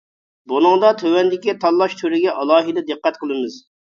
بۇنىڭدا تۆۋەندىكى تاللاش تۈرىگە ئالاھىدە دىققەت قىلىمىز.